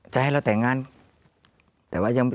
จะให้เราแต่งงาน